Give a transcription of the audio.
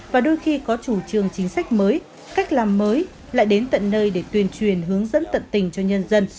và đôi khi có chủ trương chính sách mới cách làm mới lại đến tận nơi để tuyên truyền hướng dẫn tận tình cho nhân dân